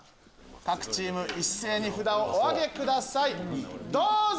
各チーム一斉に札をお挙げくださいどうぞ！